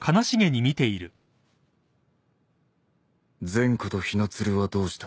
・善子と雛鶴はどうした。